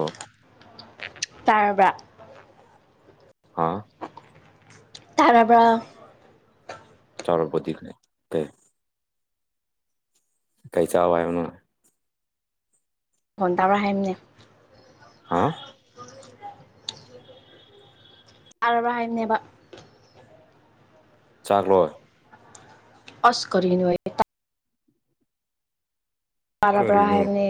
ꯑꯥ ꯇꯥꯔꯕ꯭ꯔꯥ ꯍꯥ ꯇꯥꯔꯕ꯭ꯔꯣ ꯆꯥꯎꯔꯄꯗꯤꯒꯤ ꯀꯩ ꯀꯩ ꯆꯥ ꯍꯥꯏꯕꯅꯣ ꯈꯣꯟ ꯇꯕ꯭ꯔꯥ ꯍꯥꯏꯕꯅꯦ ꯍꯥꯥ ꯇꯥꯔꯕ ꯍꯥꯏꯕꯅꯦꯕ ꯆꯥꯛꯂꯣꯏ ꯑꯁ ꯀꯔꯤꯅꯣ ꯑꯦ ꯇꯥꯔꯕ꯭ꯔ ꯀꯔꯤꯅꯣ ꯍꯥꯏꯕꯅꯦ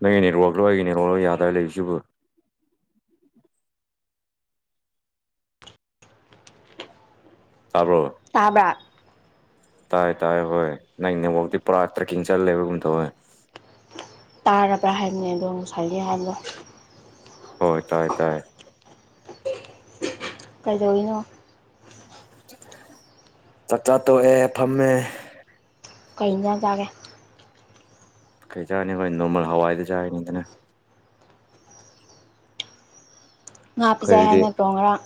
ꯅꯪꯒꯤ ꯅꯦꯠꯋꯥꯛꯂꯣ ꯑꯩꯒꯤ ꯅꯦꯠꯋꯥꯛ ꯂꯣ ꯌꯥꯗꯥ꯭ꯔ ꯂꯩꯔꯤꯁꯤꯕꯨ ꯇꯥꯕ꯭ꯔꯣ ꯇꯥꯕ꯭ꯔꯥ ꯇꯥꯏ ꯇꯥꯏ ꯍꯣꯏ ꯅꯪ ꯅꯦꯋꯥꯛꯇꯤ ꯄꯨꯔꯥ ꯇ꯭ꯔꯦꯛꯀꯤꯡ ꯆꯜꯂꯦꯕꯒꯨꯝ ꯇꯧꯋꯦ ꯇꯥꯔꯕ꯭ꯔꯥ ꯍꯥꯏꯕꯅꯤ ꯑꯗꯣ ꯉꯁꯥꯏꯒꯤ ꯍꯥꯏꯕꯗꯣ ꯍꯣꯏ ꯇꯥꯏ ꯇꯥꯏ ꯀꯗꯧꯔꯤꯅꯣ ꯆꯛꯆꯥ ꯇꯣꯛ ꯑꯦ ꯐꯝꯃꯦ ꯀꯩ ꯏꯟꯁꯥꯡ ꯆꯥꯒꯦ ꯀꯩ ꯆꯥꯔꯤꯅꯤ ꯑꯩꯈꯣꯏ ꯅꯣꯃꯪ ꯍꯋꯥꯏꯗꯣ ꯆꯥꯔꯅꯤꯗꯅ ꯉꯥ ꯄꯤꯖꯩ ꯍꯥꯏ ꯑꯩꯈꯣꯏꯒꯤꯗꯤ ꯅꯠꯇ꯭ꯔꯣ ꯉꯔꯥꯡ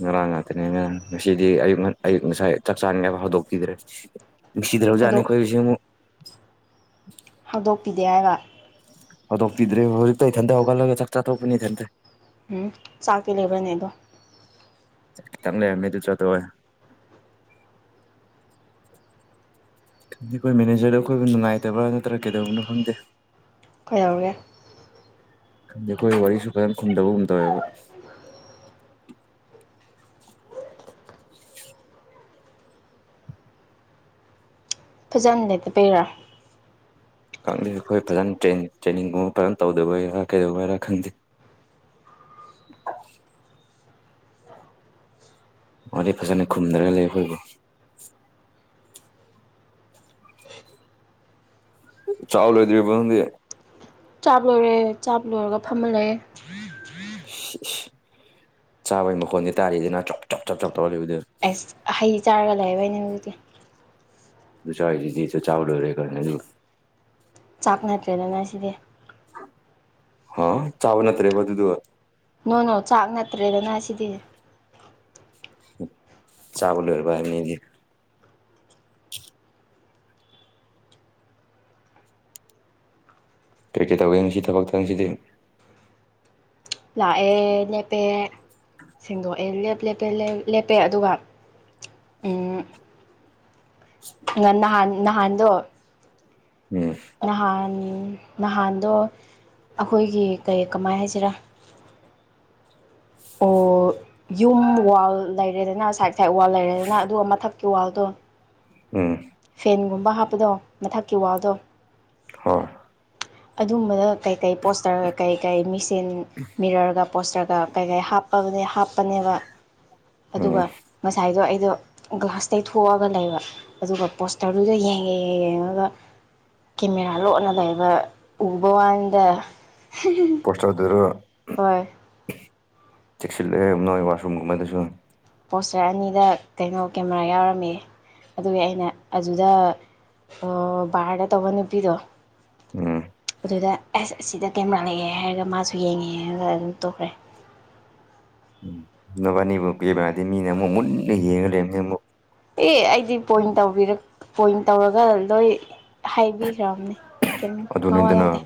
ꯉꯔꯥꯡ ꯉꯥꯛꯇꯅꯦ ꯉꯔꯥꯡ ꯉꯁꯤꯗꯤ ꯑꯌꯨ ꯑꯌꯨꯛ ꯉꯁꯥꯏ ꯆꯥꯛ ꯆꯥꯅꯤꯡꯕ ꯍꯧꯗꯣꯛꯄꯤꯗ꯭ꯔꯦ ꯅꯨꯡꯁꯤꯗ꯭ꯔꯕꯖꯥꯠꯅꯤ ꯍꯧꯗꯣꯛ ꯑꯩꯈꯣꯏꯁꯦ ꯑꯃꯨꯛ ꯍꯧꯗꯣꯛꯄꯤꯗꯦ ꯍꯥꯏꯕ ꯍꯗꯣꯛꯄꯤꯗ꯭ꯔꯦ ꯍꯧꯖꯤꯛꯇ ꯏꯊꯟꯇ ꯍꯧꯒꯜꯂꯒ ꯆꯥꯛ ꯆꯥꯛ ꯊꯣꯛꯄꯅꯤ ꯏꯊꯟꯇ ꯎꯝ ꯆꯥꯛꯇꯤ ꯂꯩꯕ꯭ꯔꯅꯦꯗꯣ ꯈꯤꯇꯪ ꯂꯩꯔꯝꯃꯦ ꯅꯗꯨ ꯆꯥꯊꯣꯛꯑꯦ ꯈꯪꯗꯦ ꯑꯩꯈꯣꯏ ꯃꯦꯅꯦꯖꯔꯗ ꯑꯩꯈꯣꯏꯕꯨ ꯅꯨꯡꯉꯥꯏꯇꯕ꯭ꯔꯥ ꯀꯩꯗꯧꯕꯅꯣ ꯈꯪꯗꯦ ꯀꯧꯗꯧꯔꯦ ꯑꯩꯈꯣꯏ ꯋꯥꯔꯤꯁꯨ ꯀꯦꯝ ꯈꯨꯝꯗꯕꯒꯨꯝ ꯇꯧꯋꯦꯕ ꯐꯖꯅ ꯂꯩꯇꯕꯩꯔꯥ ꯈꯪꯗꯦ ꯑꯩꯈꯣꯏ ꯐꯖꯅ ꯇ꯭ꯔꯦ ꯇ꯭ꯔꯦꯟꯅꯤꯡꯒꯨꯝꯕ ꯐꯖꯅ ꯇꯧꯗꯕꯩꯔꯥ ꯀꯩꯗꯧꯕꯒꯤꯔꯥ ꯈꯪꯗꯦ [inaudible] ꯋꯥꯔꯤ ꯐꯖꯅ ꯈꯨꯝꯅꯔꯒ ꯂꯩ ꯑꯩꯈꯣꯏꯕꯨ ꯆꯥꯛ ꯂꯣꯏꯗꯔꯤꯕ ꯅꯪꯗꯤ ꯆꯥꯕ ꯂꯣꯏꯔꯦ ꯆꯥꯕ ꯂꯣꯏꯔꯒ ꯐꯝꯃ ꯂꯩꯌꯦ ꯏꯁ ꯏꯁ ꯆꯥꯕꯒꯤ ꯃꯈꯣꯟꯗꯤ ꯇꯥꯔꯤꯗꯅ ꯆꯞ ꯆꯞ ꯆꯞ ꯆꯞ ꯇꯧꯔꯂꯩꯕꯗꯨ ꯑꯁ ꯍꯩ ꯆꯥꯔꯒ ꯂꯩꯌꯦꯕꯩꯅꯦ ꯍꯧꯖꯤꯛꯇꯤ ꯑꯗꯨ ꯆꯥꯏꯗꯨꯗꯤ ꯆꯥꯛ ꯆꯥꯕ ꯂꯣꯏꯔꯦ ꯀꯥꯏꯟ ꯍꯥꯏꯅꯣ ꯆꯥꯛ ꯅꯠꯇ꯭ꯔꯦꯗꯅ ꯁꯤꯗꯤ ꯍꯥ ꯆꯥꯕ ꯅꯠꯇ꯭ꯔꯦꯕ ꯗꯨꯗꯨ ꯅꯣꯅꯣ ꯆꯥꯛ ꯅꯠꯇ꯭ꯔꯦꯗꯅ ꯁꯤꯗꯤ ꯆꯥꯕ ꯂꯣꯔꯕ ꯍꯥꯏꯕꯅꯤ ꯑꯩꯗꯤ ꯀ꯭ꯔꯤꯀ꯭ꯔꯤ ꯇꯧꯒꯦ ꯉꯁꯤ ꯊꯕꯛꯇ ꯉꯁꯤꯗꯤ ꯂꯥꯛꯑꯦ ꯂꯦꯞꯄꯦ ꯁꯦꯡꯗꯣꯛꯑꯦ ꯂꯦꯞꯄꯦ ꯂꯦꯞꯄꯦ ꯂꯦꯞꯄꯦ ꯑꯗꯨꯒ ꯎꯝ ꯉ ꯅꯍꯥꯟ ꯅꯍꯥꯟꯗꯣ ꯎꯝ ꯅꯍꯥꯟ ꯅꯍꯥꯟꯗꯣ ꯑꯩꯈꯣꯏꯒꯤ ꯀꯩ ꯀꯃꯥꯏ ꯍꯥꯏꯁꯤꯔꯥ [inaudible] ꯑꯣ ꯌꯨꯝ ꯋꯥꯜ ꯂꯩꯔꯦꯗꯅ ꯁꯥꯏꯠ ꯁꯥꯏꯠ ꯋꯥꯜ ꯂꯩꯔꯦꯗꯅ ꯑꯗꯨꯒ ꯃꯊꯛꯀꯤ ꯋꯥꯜꯗꯣ ꯎꯝ ꯇꯤꯟꯒꯨꯝꯕ ꯍꯥꯞꯄꯗꯣ ꯃꯊꯛꯀꯤ ꯋꯥꯜꯗꯣ ꯍꯣꯢ ꯑꯗꯨꯝꯕꯗ ꯀꯩꯀꯩ ꯄꯣꯁꯇꯔꯒ ꯀꯩꯀꯩ ꯃꯤꯁꯤꯟ ꯃꯤꯔꯔꯒ ꯄꯣꯁꯇꯔꯒ ꯀꯩꯀꯩ ꯍꯥꯞꯄꯅꯦ ꯍꯥꯞꯄꯅꯦꯕ ꯎꯝ ꯑꯗꯨꯒ ꯉꯁꯥꯏꯗꯣ ꯑꯩ ꯑꯗꯨꯗꯣ ꯒ꯭ꯂꯥꯁ ꯇꯩꯊꯣꯛꯑꯒ ꯂꯩꯕ ꯑꯗꯨꯒ ꯄꯣꯁꯇꯔꯗꯨꯗ ꯌꯦꯡꯉꯦ ꯌꯦꯡꯉꯒ ꯀꯦꯃꯦꯔꯥ ꯂꯣꯟꯠꯅ ꯂꯩꯕ ꯎꯕ ꯋꯥꯥꯅꯤꯗ ꯄꯣꯁꯇꯔꯗꯨꯔ ꯍꯣꯏ ꯆꯦꯛꯁꯤꯂꯨꯍꯦ ꯅꯣꯢ ꯋꯥꯁꯔꯨꯝ ꯒꯨꯝꯕꯗꯁꯨ ꯄꯣꯁꯇꯔ ꯑꯅꯤꯗ ꯀꯩꯅꯣ ꯀꯦꯃꯦꯔꯥ ꯌꯥꯎꯔꯝꯃꯤ ꯑꯗꯨꯒꯤ ꯑꯩꯅ ꯑꯗꯨꯗ ꯕꯥꯔꯗ ꯇꯧꯕ ꯅꯨꯄꯤꯗꯣ ꯎꯝ ꯑꯗꯨꯗ ꯑꯦꯁ ꯑꯁꯤꯗ ꯀꯦꯃꯦꯔꯥ ꯂꯑꯦ ꯍꯥꯏꯔꯒ ꯃꯥꯁꯨ ꯌꯦꯡꯉꯦ ꯑꯗꯨꯒ ꯑꯗꯨꯝ ꯇꯣꯛꯈ꯭ꯔꯦ ꯅꯕꯥꯅꯤꯕꯨ ꯀꯦꯃꯦꯔꯥꯗꯩ ꯃꯤꯅ ꯑꯃꯨꯛ ꯃꯨꯅ ꯌꯦꯡꯉ ꯂꯩꯔꯝꯅꯤ ꯑꯃꯨꯛ ꯑꯦ ꯑꯩꯗꯤ ꯄꯣꯏꯟ ꯇꯧꯕꯤꯔ ꯄꯣꯏꯟ ꯇꯧꯔꯒ ꯂꯣꯏ ꯍꯥꯏꯕꯤꯈ꯭ꯔꯕꯅꯦ ꯀꯦꯝ ꯃꯋꯥ ꯂꯧꯗꯦ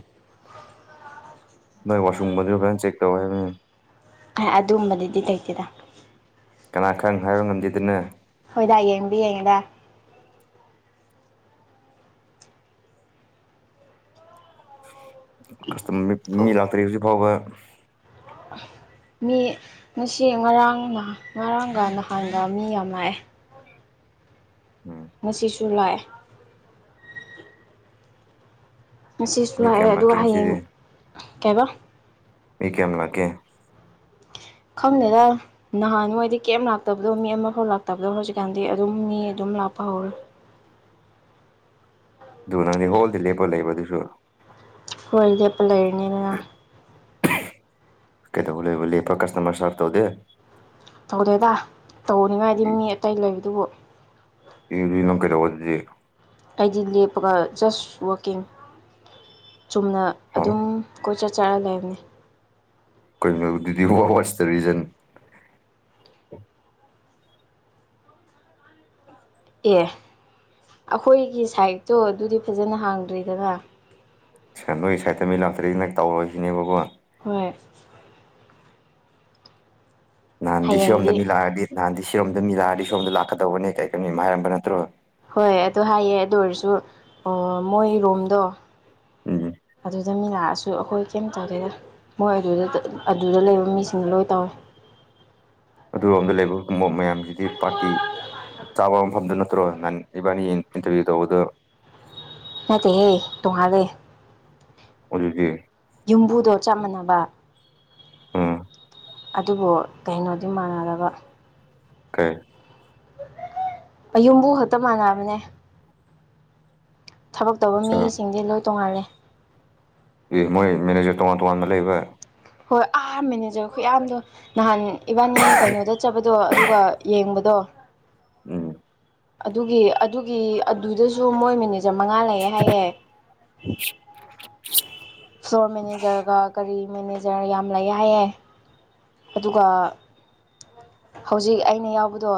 ꯅꯣꯢ ꯋꯥꯁꯔꯨꯝꯒꯗꯣ ꯐꯖꯅ ꯆꯦꯛ ꯇꯧ ꯍꯥꯏꯕꯅꯦ ꯑꯗꯨꯒꯝꯕꯗꯨꯗꯤ ꯂꯩꯇꯦꯗ ꯀꯅꯥ ꯈꯪ ꯍꯥꯏꯕ ꯉꯝꯗꯦꯗꯅ ꯃꯤꯗ ꯌꯦꯡꯗꯤ ꯌꯦꯡꯉꯤꯗ ꯀꯁꯇꯝ ꯃꯤ ꯂꯥꯛꯇ꯭ꯔꯤ ꯍꯧꯖꯤꯛ ꯐꯥꯎꯕ [inaudible] ꯃꯤ ꯉꯁꯤ ꯉꯔꯥꯡ ꯉꯔꯥꯡꯒ ꯅꯍꯥꯟꯒ ꯃꯤ ꯌꯥꯝ ꯂꯥꯛꯑꯦ ꯎꯝ ꯉꯁꯤꯁꯨ ꯂꯥꯛꯑꯦ ꯉꯁꯤꯁꯨ ꯃꯤ ꯂꯥꯛꯑꯦ ꯀꯌꯥꯝ ꯂꯥꯛꯀꯦ ꯑꯗꯨꯒ ꯍꯌꯦꯡ ꯉꯁꯤꯗꯤ ꯀꯩꯕ ꯃꯤ ꯀꯌꯤꯝ ꯂꯥꯀꯦ ꯈꯪꯗꯦꯗ ꯅꯍꯥꯟꯋꯥꯏꯗꯤ ꯀꯩꯝ ꯂꯥꯛꯇꯕꯗꯣ ꯃꯤ ꯑꯃꯐꯥꯎ ꯂꯥꯛꯇꯕꯗꯣ ꯍꯧꯖꯤꯛꯀꯥꯟꯗꯤ ꯑꯗꯨꯝ ꯃꯤ ꯑꯗꯨꯝ ꯂꯥꯛ [unintelligible] [inaudible] ꯑꯗꯨ ꯅꯪꯗꯤ ꯍꯣꯜꯗ ꯂꯦꯞꯄ ꯂꯩꯕꯗꯨꯁꯨ ꯍꯣꯢ ꯂꯦꯞꯄ ꯂꯩꯔꯤꯅꯤꯗꯅ ꯀꯩꯗꯧꯕ ꯂꯩꯕꯨ ꯂꯦꯞꯄ ꯀꯁꯇꯃꯔ ꯁꯥꯔꯚ ꯇꯧꯗꯦ ꯇꯧꯗꯦꯗ ꯇꯧꯅꯤꯉꯥꯏꯗꯤ ꯃꯤ ꯑꯇꯩ ꯂꯩꯕꯗꯨꯕꯨ ꯏ ꯕꯤꯗꯨꯅ ꯀꯩꯗꯧꯕ ꯑꯗꯨꯗꯤ ꯍꯥꯏꯗꯤ ꯂꯦꯞꯄꯒ ꯖꯁ ꯋꯥꯛꯀꯤꯡ ꯆꯨꯝꯅ ꯍꯥ ꯑꯗꯨꯝ ꯀꯣꯏ ꯆꯠ ꯆꯠꯂ ꯂꯩꯕꯅꯦ ꯀꯩꯅꯣ ꯑꯗꯨꯗꯤ ꯔꯤꯖꯟ ꯑꯦ ꯑꯩꯈꯣꯏꯒꯤ ꯁꯥꯏꯠꯇꯣ ꯑꯗꯨꯗꯤ ꯐꯖꯅ ꯍꯥꯡꯗ꯭ꯔꯤꯗꯅ ꯁꯦꯟꯗꯣꯏ ꯁꯥꯏꯠꯇ ꯃꯤ ꯂꯥꯛꯇ꯭ꯔꯤ ꯅꯪ ꯇꯧꯔꯁꯤꯅꯦꯕꯀꯣ ꯍꯣꯏ ꯅꯍꯥꯟꯗꯤ ꯁꯤꯔꯣꯝꯗ ꯍꯌꯦꯡꯗꯤ ꯃꯤ ꯂꯥꯛꯑꯗꯤ ꯅꯍꯥꯟꯗꯤ ꯁꯤꯔꯣꯝꯗ ꯃꯤ ꯂꯥꯛꯑꯗꯤ ꯁꯣꯝꯗ ꯂꯥꯛꯀꯗꯧꯕꯅꯦ ꯀꯩ ꯀꯩꯅꯣ ꯍꯥꯏꯔꯝꯕ ꯅꯠꯇ꯭ꯔꯣ ꯍꯣꯏ ꯑꯗꯨ ꯍꯥꯏꯌꯦ ꯑꯗꯨ ꯑꯣꯏꯔꯁꯨ ꯃꯣꯏ ꯔꯣꯝꯗꯣ ꯎꯝ ꯑꯗꯨꯗ ꯃꯤ ꯂꯥꯛꯑꯁꯨ ꯑꯈꯣꯏ ꯀꯩꯝ ꯇꯧꯗꯦꯗ ꯃꯣꯏ ꯑꯗꯨꯗ ꯑꯗꯨꯗ ꯂꯩꯕ ꯃꯤꯁꯤꯡ ꯂꯣꯏ ꯇꯧꯋꯦ ꯑꯗꯨꯔꯣꯝꯗ ꯂꯩꯕ ꯒꯨꯝꯕ ꯃꯌꯥꯝꯖꯤꯗꯤ ꯄꯥꯇꯤ ꯆꯥꯕ ꯃꯐꯝꯗꯨ ꯅꯠꯇ꯭ꯔꯣ ꯅꯥꯟ ꯏꯕꯥꯅꯤ ꯏꯟꯇꯔꯚꯤꯌꯨ ꯇꯧꯕꯗꯣ ꯅꯠꯇꯦ ꯍꯦ ꯇꯣꯉꯥꯜꯂꯦ ꯑꯗꯨꯗꯤ ꯌꯨꯝꯕꯨꯗꯣ ꯆꯞ ꯃꯥꯟꯅꯕ ꯎꯝ ꯑꯗꯨꯕꯨ ꯀꯩꯅꯣꯗꯤ ꯃꯥꯟꯅꯗꯕ ꯀꯩ ꯑ ꯌꯨꯝꯕꯨ ꯈꯛꯇ ꯃꯥꯟꯅꯕꯅꯦ ꯊꯕꯛ ꯇꯧꯕ ꯑꯆꯥ ꯃꯤꯁꯤꯡꯗꯤ ꯂꯣꯏ ꯇꯣꯡꯉꯥꯜꯂꯦ ꯃꯣꯏ ꯃꯦꯅꯦꯖꯔ ꯇꯣꯉꯥꯟ ꯇꯣꯉꯥꯟꯅ ꯂꯩꯕ ꯍꯣꯏ ꯑꯥ ꯃꯦꯅꯦꯖꯔ ꯈꯨꯌꯥꯝꯗꯣ ꯅꯍꯥꯟ ꯏꯕꯥꯅꯤ ꯀꯩꯅꯣꯗ ꯆꯠꯄꯗꯣ ꯑꯗꯨꯒ ꯌꯦꯡꯕꯗ ꯗꯣ ꯎꯝ ꯑꯗꯨꯒꯤ ꯑꯗꯨꯒꯤ ꯑꯗꯨꯗꯖꯨ ꯃꯣꯏ ꯃꯦꯅꯦꯖꯔ ꯃꯉꯥ ꯂꯩꯌꯦ ꯍꯥꯏꯌꯦ ꯐ꯭ꯂꯣꯔ ꯃꯦꯅꯦꯖꯔꯒ ꯀꯔꯤ ꯃꯦꯅꯦꯖꯔ ꯌꯥꯝ ꯂꯩꯌꯦ ꯍꯥꯏꯑꯦ ꯑꯗꯨꯒ ꯍꯧꯖꯤꯛ ꯑꯩꯅ ꯌꯥꯎꯕꯗꯣ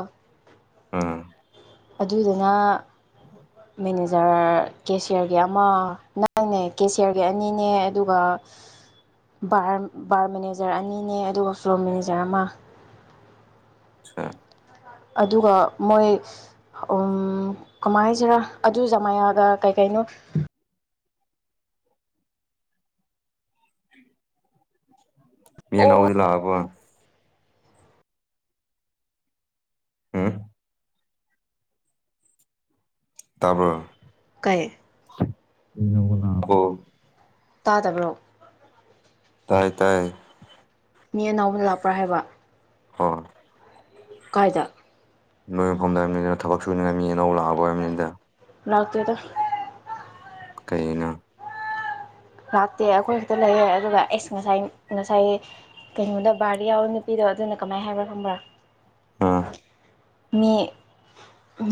ꯑꯝ ꯑꯗꯨꯗꯨꯅꯥ ꯃꯦꯅꯦꯖꯔ ꯀꯦꯁꯤꯌꯥꯔꯒꯤ ꯑꯃ ꯅꯪꯅꯦ ꯀꯦꯁꯤꯌꯥꯔꯒꯤ ꯑꯅꯤꯅꯦ ꯑꯗꯨꯒ [inaudible] ꯕꯥꯔ ꯕꯥꯔ ꯃꯦꯅꯦꯖꯔ ꯑꯅꯤꯅꯦ ꯑꯗꯨꯒ ꯐ꯭ꯂꯣꯔ ꯃꯦꯅꯦꯖꯔ ꯑꯃ ꯑꯥ ꯑꯗꯨꯒ ꯃꯣꯏ ꯎꯝ ꯀꯃꯥꯏꯅ ꯍꯥꯏꯁꯤꯔꯥ ꯑꯗꯨꯖꯥꯃꯌꯥꯒ ꯀꯩꯀꯩꯅꯣ ꯌꯦꯟ ꯑꯣ ꯌꯧꯕꯗꯤ ꯂꯥꯛꯑꯕꯣ ꯎꯝ ꯇꯥꯕ꯭ꯔꯣ ꯀꯩ ꯑꯩ ꯂꯧꯕ ꯂꯥꯛꯑꯕꯣ ꯇꯥꯗꯕ꯭ꯔꯣꯡꯥ ꯇꯥꯏ ꯇꯥꯏꯌꯦ ꯃꯤ ꯑꯅꯧꯕ ꯂꯥꯛꯄ꯭ꯔꯥ ꯍꯥꯏꯕ ꯑꯣ ꯀꯥꯏꯗ ꯅꯣꯏ ꯃꯐꯝꯗ ꯍꯥꯏꯕꯅꯤ ꯀꯩꯅꯣ ꯊꯕꯛ ꯁꯨꯅꯤꯡꯉꯥꯏ ꯃꯤ ꯑꯅꯧ ꯂꯥꯛꯑꯕ ꯍꯥꯏꯕꯝꯅꯤꯗ ꯔꯥꯛꯇ꯭ꯔꯦꯗꯥ ꯀꯩꯒꯤꯅꯣ ꯂꯥꯛꯇꯦ ꯑꯈꯣꯏ ꯈꯛꯇ ꯂꯩꯌꯦ ꯑꯗꯨꯒ ꯑꯩꯁ ꯉꯁꯥꯏ ꯉꯁꯥꯏ ꯀꯩꯅꯣꯗ ꯕꯥꯔꯗ ꯌꯥꯎꯕ ꯅꯨꯄꯤꯗꯣ ꯑꯗꯨꯅ ꯀꯃꯥꯏ ꯍꯥꯏꯕ꯭ꯔꯥ ꯈꯪꯕ꯭ꯔꯥ ꯑꯥ ꯃꯤ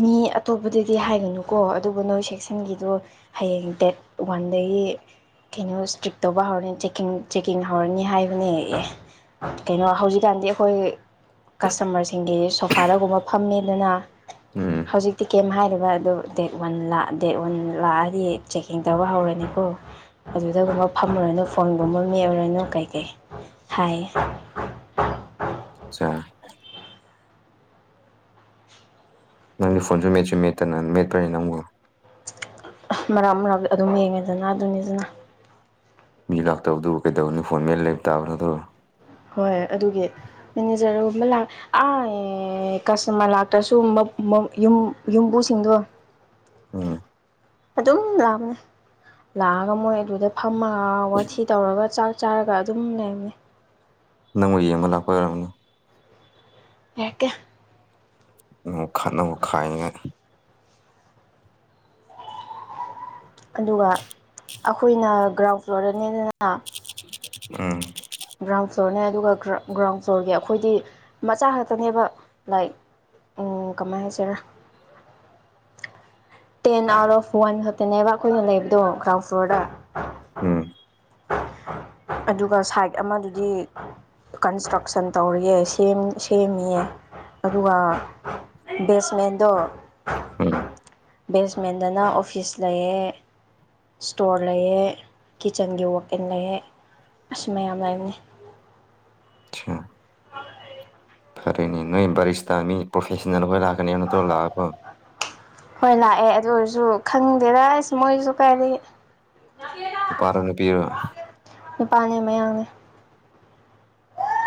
ꯃꯤ ꯑꯇꯣꯞꯄꯗꯗꯤ ꯍꯥꯏꯒꯅꯨꯀꯣ ꯑꯗꯨꯕꯨ ꯅꯣꯏ ꯁꯦꯛꯁꯟꯒꯤꯗꯣ ꯍꯌꯦꯡ ꯗꯦꯠ ꯋꯥꯟ ꯑꯗꯒꯤ ꯀꯩꯅꯣ ꯏꯁꯇ꯭ꯔꯤꯛ ꯇꯧꯕ ꯍꯧꯔꯅꯤ ꯆꯦꯛꯀꯤꯡ ꯆꯦꯛꯀꯤꯡ ꯍꯧꯔꯅꯤ ꯍꯥꯏꯕꯅꯦ ꯑꯦ ꯀꯩꯅꯣ ꯍꯧꯖꯤꯛꯀꯥꯟꯗꯤ ꯑꯩꯈꯣꯏ ꯀꯁꯇꯃꯔꯁꯤꯡꯒꯤ ꯁꯣꯐꯥꯗꯒꯨꯝꯕ ꯐꯝꯃꯦꯗꯅꯥ ꯎꯝ ꯍꯧꯖꯤꯛꯇꯤ ꯀꯩꯝ ꯍꯥꯏꯗꯕꯥ ꯑꯗꯨ ꯗꯦꯠ ꯋꯥꯟ ꯂꯥꯛ ꯗꯦꯠ ꯋꯥꯟ ꯂꯥꯛꯑꯗꯤ ꯆꯦꯛꯀꯤꯡ ꯇꯧꯕ ꯍꯧꯔꯅꯤꯀꯣ ꯑꯗꯨꯗꯒꯨꯝꯕ ꯐꯝꯃꯨꯔꯅꯨ ꯐꯣꯟꯒꯨꯝꯕ ꯃꯦꯠꯂꯨꯔꯅꯨ ꯀꯩꯀꯩ ꯍꯥꯏꯌꯦ ꯆꯥ ꯅꯪꯗꯤ ꯐꯣꯟꯁꯨ ꯃꯦꯠꯁꯨ ꯃꯦꯠꯇꯅ ꯃꯦꯠꯄ꯭ꯔꯅꯦ ꯅꯪꯕꯣ ꯃꯔꯛ ꯃꯔꯛ ꯑꯗꯨꯝ ꯌꯦꯡꯉꯦꯗꯅꯥ ꯑꯗꯨꯅꯤꯗꯅꯥ ꯃꯤ ꯂꯥꯛꯇꯕꯗꯨꯕꯨ ꯀꯩꯗꯧꯅꯤ ꯐꯣꯟ ꯃꯦꯠ ꯂꯩꯕ ꯇꯥꯕ ꯅꯗꯣ ꯃ ꯂꯥꯛ ꯑꯥꯏ ꯀꯁꯇꯃꯔ ꯂꯥꯛꯇ꯭ꯔꯁꯨ ꯃ ꯃ ꯌꯨꯝ ꯌꯨꯝꯕꯨꯁꯤꯡꯗꯣ ꯎꯝ ꯑꯗꯨꯝ ꯂꯥꯛꯕꯅꯦ ꯂꯥꯛꯑꯒ ꯃꯣꯏ ꯑꯗꯨꯗ ꯐꯝꯃꯒ ꯋꯥꯊꯤ ꯇꯧꯔꯒ ꯆꯥꯛ ꯆꯥꯔꯒ ꯑꯗꯨꯝ ꯂꯩꯕꯅꯦ ꯅꯪꯑꯣꯏ ꯌꯦꯡꯕ ꯂꯥꯛꯄ ꯑꯣꯏꯔꯝꯒꯅꯤ ꯌꯥꯔꯛꯀꯦ ꯈꯠꯅꯧ ꯈꯥꯏꯅꯤꯉꯥꯏ ꯑꯗꯨꯒ ꯑꯈꯣꯏꯅ ꯒ꯭ꯔꯥꯎꯟ ꯐ꯭ꯂꯣꯔꯗꯅꯤꯗꯅ ꯎꯝ ꯒ꯭ꯔꯥꯎꯟ ꯐ꯭ꯂꯣꯔꯅꯦ ꯑꯗꯨꯒ ꯒ꯭ꯔꯥꯎꯟ ꯐ꯭ꯂꯣꯔꯒꯤ ꯑꯩꯈꯣꯏꯗꯤ ꯃꯆꯥ ꯈꯛꯇꯅꯦꯕ ꯂꯥꯏꯛ ꯎꯝ ꯀꯃꯥꯏ ꯍꯥꯏꯁꯤꯔꯥ [inaudible] ꯇꯦꯟ ꯑꯥꯎꯠ ꯑꯣꯐ ꯋꯥꯟ ꯈꯇꯦꯜꯅꯦꯕ ꯑꯩꯈꯣꯏꯅ ꯂꯩꯕꯗꯣ ꯀ꯭ꯔꯥꯎꯟ ꯐ꯭ꯂꯣꯔꯗ ꯎꯝ ꯑꯗꯨꯒ ꯁꯥꯏꯠ ꯑꯃꯗꯨꯗꯤ ꯀꯟꯁꯇ꯭ꯔꯛꯁꯟ ꯇꯧꯔꯤꯌꯦ ꯁꯦꯝ ꯁꯦꯝꯃꯤꯌꯦ ꯑꯗꯨꯒ ꯕꯦꯠꯁꯃꯦꯟꯗꯣ ꯎꯝ ꯕꯦꯁꯃꯦꯟꯗꯅ ꯑꯣꯐꯤꯁ ꯂꯩꯌꯦ ꯁ꯭ꯇꯣꯔ ꯂꯩꯑꯦ ꯀꯤꯠꯆꯟꯒꯤ ꯋ ꯢꯟ ꯂꯩꯑꯦ ꯑꯁ ꯃꯌꯥꯝ ꯂꯩꯕꯅꯦ ꯑ ꯐꯔꯦꯅꯦ ꯅꯣꯏ ꯕꯔꯤꯁꯇꯃꯤ ꯄ꯭ꯔꯐꯦꯁꯅꯦꯜ ꯍꯣꯏ ꯂꯥꯛ ꯀꯅꯤꯍꯥꯏꯕꯗꯣ ꯂꯥꯛꯑꯕꯣ ꯑꯗꯨꯑꯣꯏꯔꯁꯨ ꯈꯪꯗꯦꯗ ꯑꯁ ꯃꯣꯏꯖꯨ ꯀꯥꯏꯗꯒꯤ ꯅꯨꯄꯥꯔꯣ ꯅꯨꯄꯤꯔꯣ ꯅꯨꯄꯥꯅꯦ ꯃꯌꯥꯡꯅꯦ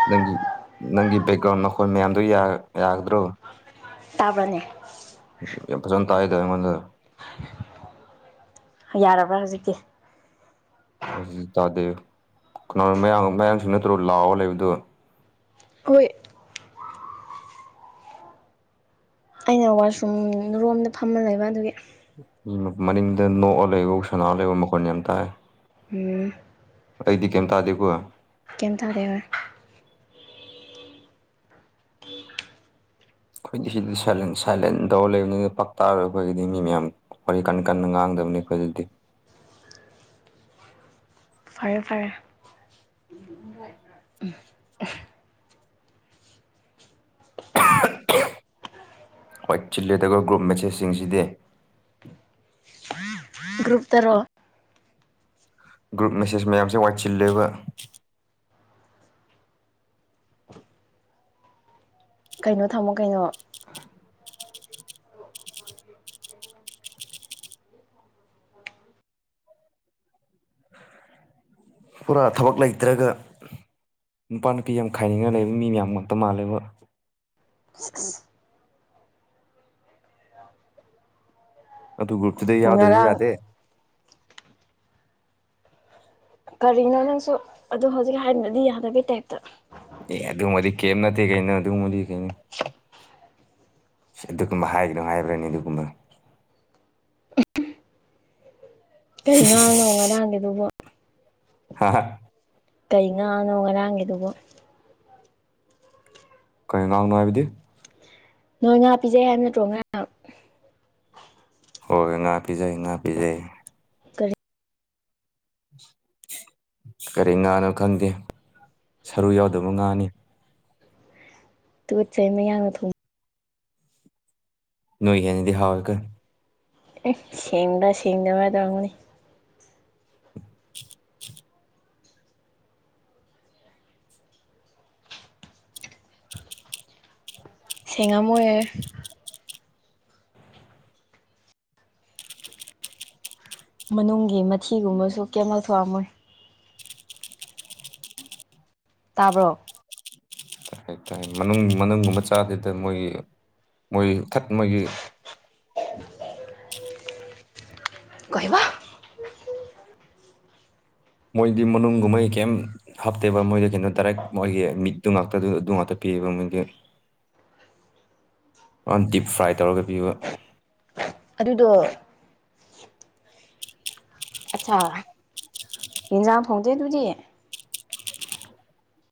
ꯅꯪꯒꯤ ꯅꯪꯒꯤ ꯕꯦꯛꯒ꯭ꯔꯥꯎꯟ ꯃꯈꯣꯏ ꯃꯌꯥꯝꯗꯣ ꯌꯥ ꯌꯥꯒꯗ꯭ꯔꯣ ꯇꯥꯕ꯭ꯔꯅꯦ ꯌꯥꯝ ꯐꯖꯅ ꯇꯥꯏꯗ ꯑꯩꯉꯣꯟꯗ ꯌꯥꯔꯕ꯭ꯔ ꯍꯧꯖꯤꯛꯇꯤ [unintelligible] ꯗꯤ ꯇꯥꯗꯦ ꯀꯅꯥꯅꯣ ꯃꯌꯥꯡ ꯃꯌꯥꯡꯁꯤꯡ ꯅꯠꯇ꯭ꯔꯣ ꯂꯥꯎꯔ ꯂꯩꯕꯗꯨ ꯍꯣꯏ ꯑꯩꯅ ꯋꯥꯁꯔꯨꯝ ꯔꯣꯝꯗ ꯐꯝꯃ ꯂꯩꯕ ꯑꯗꯨꯒꯤ ꯃꯅꯤꯡꯗ ꯅꯣꯛ ꯑ ꯂꯩꯕꯣ ꯁꯅꯥ ꯂꯩꯕꯣ ꯃꯈꯣꯟ ꯌꯥꯝ ꯇꯥꯏ ꯎꯝ ꯑꯩꯗꯤ ꯀꯩꯝ ꯇꯥꯗꯦꯀꯣ ꯀꯩꯝ ꯇꯥꯗꯦ ꯍꯣꯏ [unintelligible] ꯑꯩꯈꯣꯏꯗꯤ ꯁꯤꯗꯤ ꯁꯥꯏꯂꯦꯟ ꯁꯥꯏꯂꯦꯟ ꯇꯧꯔ ꯂꯩꯕꯅꯤꯅ ꯄꯥꯛ ꯇꯥꯔꯣꯢ ꯑꯩꯈꯣꯏꯒꯤꯗꯤ ꯃꯤ ꯃꯌꯥꯝ ꯋꯥꯔꯤ ꯀꯟ ꯀꯟꯅ ꯉꯥꯡ [unintelligible] ꯗꯝꯅꯦ ꯑꯈꯣꯏꯗꯗꯤ ꯐꯔꯦ ꯐꯔꯦ ꯎꯝ [unintelligible] [unintelligible] ꯋꯥꯏꯆꯤꯜꯂꯦꯗꯀꯣ ꯒ꯭ꯔꯨꯞ ꯃꯦꯁꯦꯁꯁꯤꯡꯁꯤꯗꯤ ꯒ꯭ꯔꯨꯨꯞ ꯇꯔꯣ ꯒ꯭ꯔꯨꯞ ꯃꯦꯁꯦꯁ ꯃꯌꯥꯝꯁꯦ ꯋꯥꯏꯆꯤꯜꯂꯦꯕ ꯀꯩꯅꯣ ꯊꯝꯃꯣ ꯀꯩꯅꯣ ꯄꯨꯔꯥ ꯊꯕꯛ ꯂꯩꯇ꯭ꯔꯒ ꯅꯨꯄꯥ ꯅꯨꯄꯤ ꯌꯥꯝ ꯈꯥꯏꯅꯤꯡꯉ ꯂꯩꯕ ꯃꯤ ꯃꯌꯥꯝ ꯉꯛꯇ ꯃꯥꯜꯂꯦꯕ [unintelligible] ꯑꯗꯨ ꯒ꯭ꯔꯨꯞꯇꯨꯗ ꯑꯩ ꯌꯥꯎꯗꯗꯤ ꯉꯔꯥꯡ ꯌꯥꯗꯦ ꯀꯔꯤꯅꯣ ꯅꯪꯁꯨ ꯑꯗꯨ ꯍꯧꯖꯤꯛ ꯍꯥꯏꯗ꯭ꯔꯗꯤ ꯌꯥꯗꯕꯒꯤ ꯇꯥꯏꯞꯇ ꯑꯦ ꯑꯗꯨꯒꯨꯝꯕꯗꯤ ꯀꯩꯝ ꯅꯠꯇꯦ ꯀꯩꯅꯣ ꯑꯗꯨꯒꯨꯝꯕꯗꯤ ꯀꯩꯅꯣ ꯑꯗꯨꯒꯨꯝꯕ ꯍꯥꯏꯒꯤꯅꯣ ꯍꯥꯏꯕ꯭ꯔꯅꯦ ꯑꯗꯨꯒꯨꯝꯕ ꯀꯩ ꯉꯥꯅꯣ ꯉꯔꯥꯡꯒꯤꯗꯨꯕꯣ ꯍꯥ ꯍ ꯀꯩ ꯉꯥꯅꯣ ꯉꯔꯥꯡꯒꯤꯗꯨꯕꯨ ꯀꯩ ꯉꯥꯡꯅꯣ ꯍꯥꯏꯕꯗꯤ ꯅꯣꯏ ꯉꯥ ꯄꯤꯖꯩ ꯍꯥꯏꯕ ꯅꯠꯇ꯭ꯔꯣ ꯉꯔꯥꯡ ꯍꯣꯏ ꯉꯥ ꯄꯤꯖꯩ ꯉꯥ ꯄꯤꯖꯩ ꯀꯔꯤ ꯀꯔꯤ ꯉꯥꯅꯣ ꯈꯪꯗꯦ ꯁꯔꯨ ꯌꯥꯎꯗꯕ ꯉꯥꯅꯤ ꯇꯨꯒꯠꯆꯩ ꯃꯌꯥꯡꯅ ꯊꯣꯡ ꯅꯣꯢ ꯍꯦꯟꯅꯗꯤ ꯍꯥꯎꯋꯦ ꯀꯣ [unintelligible] ꯁꯦꯡꯕ ꯁꯦꯡꯗꯕ꯭ꯔ ꯗꯣ [unintelligible] [inaudible] ꯁꯦꯡꯉꯝꯃꯣꯢꯌꯦ ꯃꯅꯨꯡꯒꯤ ꯃꯊꯤꯒꯨꯝꯕꯁꯨ ꯀꯩꯝ ꯂꯧꯊꯣꯛ ꯑꯝꯃꯣꯏ ꯇꯥꯕ꯭ꯔꯣ ꯇꯥꯢꯌꯦ ꯇꯥꯢ ꯃꯅꯨꯡ ꯃꯅꯨꯡꯒꯨꯝꯕ ꯆꯥꯗꯦꯗ ꯃꯣꯏꯒꯤ ꯃꯣꯏ ꯊꯠ ꯃꯣꯏꯒꯤ ꯀꯩꯕ ꯃꯣꯏꯗꯤ ꯃꯅꯨꯡꯒꯨꯝꯕꯩ ꯀꯩꯝ ꯍꯥꯞꯇꯦꯕ ꯃꯣꯏꯗ ꯀꯩꯅꯣ ꯗꯥꯏꯔꯦꯛ ꯃꯣꯏꯒꯤ ꯃꯤꯠꯇꯣ ꯉꯥꯛꯇꯗ ꯑꯗꯨ ꯉꯛꯇ ꯄꯤꯕ ꯃꯣꯢꯗꯤ [unintelligible] ꯗꯤꯞ ꯐ꯭ꯔꯥꯏ ꯇꯧꯔꯒ ꯄꯤꯕ ꯗꯣ ꯑꯆꯥꯥ ꯌꯤꯟꯖꯥꯡ ꯊꯣꯡꯗꯦ ꯑꯗꯨꯗꯤ